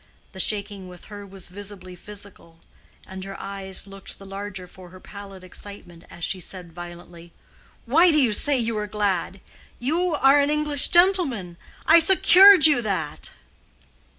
The shaking with her was visibly physical, and her eyes looked the larger for her pallid excitement as she said violently, "Why do you say you are glad? You are an English gentleman. I secured you that."